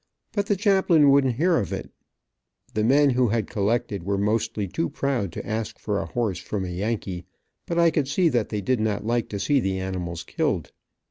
But the chaplain wouldn't hear to it. The men, who had collected, were mostly too proud to ask for a horse from a Yankee, but I could see that they did not like to see the animals killed.